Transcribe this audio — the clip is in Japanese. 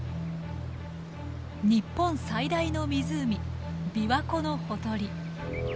日本最大の湖琵琶湖のほとり。